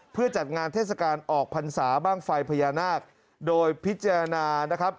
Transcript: เพื่อจัดงานเทศกาลออกพรรษาบ้างไฟพญานาคโดยพิจารณานะครับ